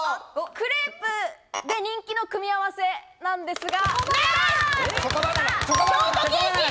クレープで人気の組み合わせなんですが。